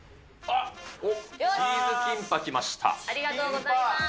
ありがとうございます。